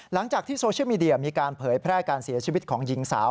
หลังจากที่โซเชียลมีเดียมีการเผยแพร่การเสียชีวิตของหญิงสาว